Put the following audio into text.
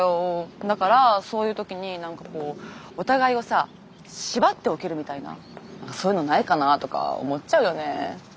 だからそういう時に何かこうお互いをさ縛っておけるみたいなそういうのないかなとか思っちゃうよね。